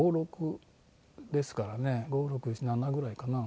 ２５２６２７ぐらいかな？